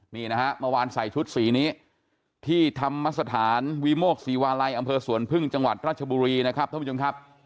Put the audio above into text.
นี่นะฮะเมื่อวานใส่ชุดสีนี้ที่ธรรมสถานวิโมกศรีวาลัยอำเภอสวนพึ่งจังหวัดราชบุรีนะครับท่านผู้ชมครับ